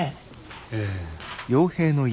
ええ。